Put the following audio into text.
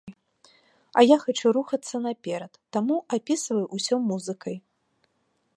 А я хачу рухацца наперад, таму апісваю ўсё музыкай!